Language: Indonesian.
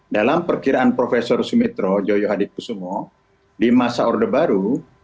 dalam perkiraan prof sumitro joyo hadipusumo di masa orde baru